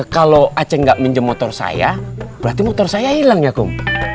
kalau aceh gak minjam motor saya berarti motor saya hilang ya kum